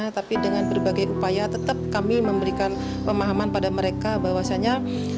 tapi dengan berbagai upaya tetap kami memberikan pemahaman pada mereka bahwasannya